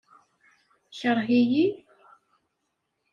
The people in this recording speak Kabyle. Yekṛeh-iyi?